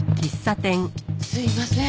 すいません。